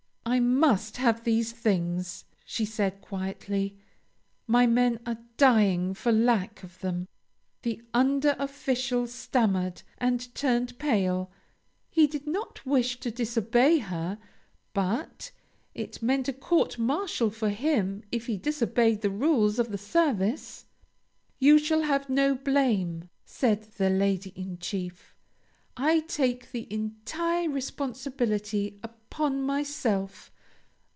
"I must have these things!" she said quietly. "My men are dying for lack of them." The under official stammered and turned pale; he did not wish to disobey her, but it meant a court martial for him if he disobeyed the rules of the service. "You shall have no blame," said the Lady in Chief. "I take the entire responsibility upon myself.